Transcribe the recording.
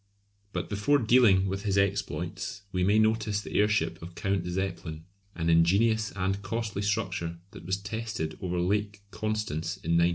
But before dealing with his exploits we may notice the airship of Count Zeppelin, an ingenious and costly structure that was tested over Lake Constance in 1900.